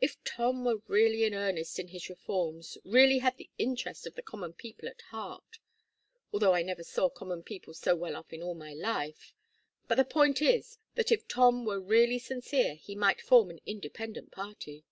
"If Tom were really earnest in his reforms, really had the interest of the common people at heart although I never saw common people so well off in my life but the point is that if Tom were really sincere he might form an independent party."